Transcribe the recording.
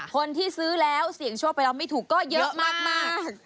คนที่ซื้อแล้วเสี่ยงโชคไปแล้วไม่ถูกก็เยอะมาก